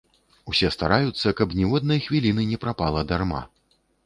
Усе стараюцца, каб ніводнай хвіліны не прапала дарма.